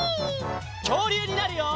きょうりゅうになるよ！